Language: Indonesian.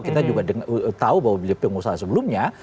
kita juga tahu bahwa beliau pengusaha sebelumnya